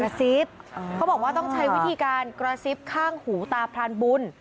ซิบเขาบอกว่าต้องใช้วิธีการกระซิบข้างหูตาพรานบุญ